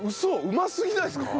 うますぎないですか？